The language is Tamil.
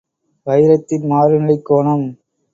வைரத்தின் மாறுநிலைக் கோணம்